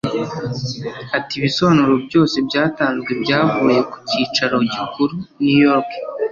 Ati” Ibisobanuro byose byatanzwe byavuye ku kicaro gikuru (New York)